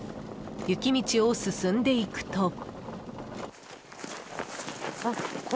雪道を進んでいくと。